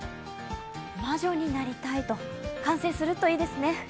魔女になりたいと、完成するといいですね。